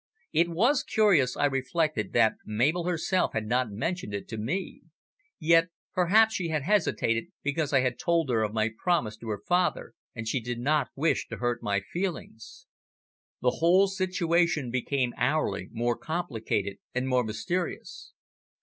It was curious, I reflected, that Mabel herself had not mentioned it to me. Yet perhaps she had hesitated, because I had told her of my promise to her father, and she did not wish to hurt my feelings. The whole situation became hourly more complicated and more mysterious.